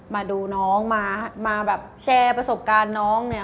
มาดูน้องมาแบบแชร์ประสบการณ์น้องเนี่ย